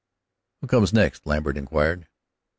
"Who comes next?" Lambert inquired.